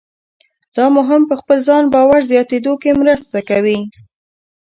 دا مو هم په خپل ځان باور زیاتېدو کې مرسته کوي.